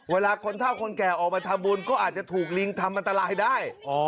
เวลาคนเท่าคนแก่ออกมาทำบุญก็อาจจะถูกลิงทำอันตรายได้